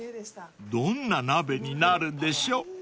どんな鍋になるんでしょう？］